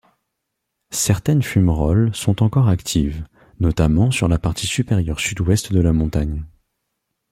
Certaines fumerolles sont encore actives, notamment sur la partie supérieure sud-ouest de la montagne.